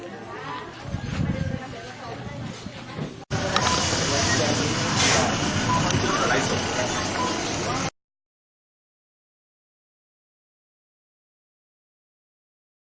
เวลาพักของน้ำผีกวัน